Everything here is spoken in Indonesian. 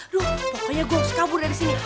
aduh pokoknya gue harus kabur dari sini